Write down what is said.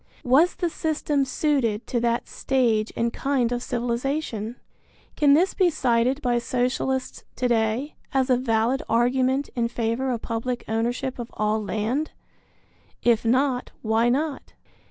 Was the system suited to that stage and kind of civilization? Can this be cited by Socialists to day as a valid argument in favor of public ownership of all land? If not, why not?